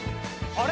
あれ？